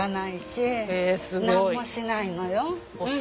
何もしないのよ。